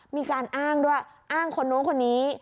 มีการอ้างด้วยอ้างคนนู้นคนนี้